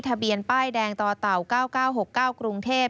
ทะเบียนป้ายแดงต่อเต่า๙๙๖๙กรุงเทพฯ